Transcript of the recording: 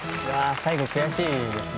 最後悔しいですね。